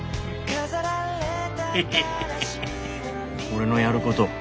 「俺のやること